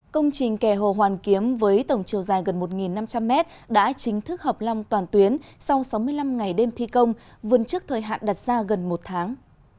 công trình kè hồ hoàn kiếm với tổng chiều dài gần một năm trăm linh m đã chính thức hợp long toàn tuyến sau sáu mươi năm ngày đêm thi công vươn trước thời hạn đặt ra gần một tháng